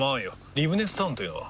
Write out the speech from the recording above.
リブネスタウンというのは？